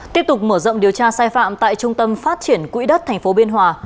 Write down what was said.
tiếp tục mở rộng điều tra sai phạm tại trung tâm phát triển quỹ đất tp biên hòa